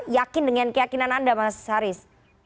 yakin dengan keyakinan anda mas haris